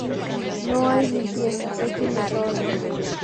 No hay limpieza, es un desorden.